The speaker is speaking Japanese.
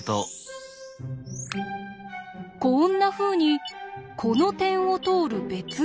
こんなふうにこの点を通る別の直線